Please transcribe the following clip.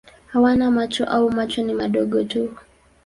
Hawana macho au macho ni madogo tu.